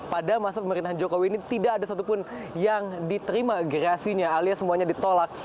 pada masa pemerintahan jokowi ini tidak ada satupun yang diterima gerasinya alias semuanya ditolak